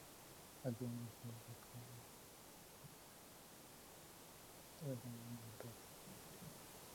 Again, for the conjugate, angles are preserved, but orientation is reversed.